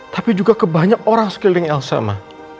tapi juga ke banyak orang sekiling elsa ma